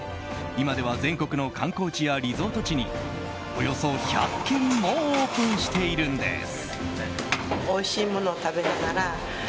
今では全国の観光地やリゾート地におよそ１００軒もオープンしているんです。